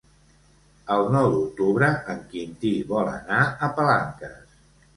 El nou d'octubre en Quintí vol anar a Palanques.